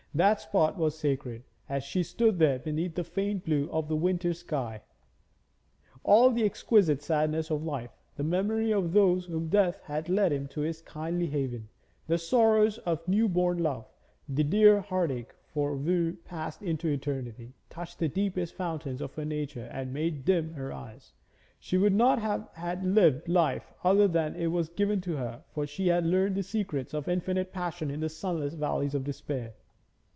That spot was sacred; as she stood there beneath the faint blue of the winter sky, all the exquisite sadness of life, the memory of those whom death had led to his kindly haven, the sorrows of new born love, the dear heartache for woe passed into eternity, touched the deepest fountains of her nature and made dim her eyes. She would not have had life other than it was given to her, for she had learned the secrets of infinite passion in the sunless valleys of despair.